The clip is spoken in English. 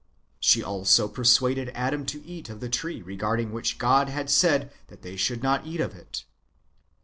She also persuaded Adam to eat of the tree regarding which God had said that they should not eat of it.